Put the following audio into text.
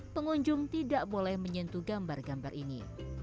pengunjung tidak boleh menyentuh gambar gambar ini